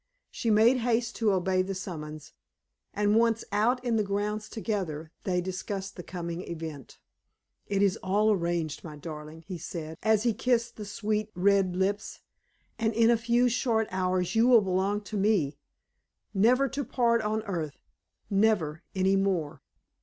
She made haste to obey the summons, and once out in the grounds together, they discussed the coming event. "It is all arranged, my darling," he said, as he kissed the sweet red lips, "and in a few short hours you will belong to me, never to part on earth never any more."